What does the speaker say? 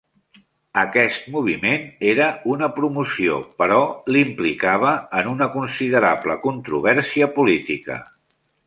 Aquest moviment era una promoció però l'implicava en una considerable controvèrsia política.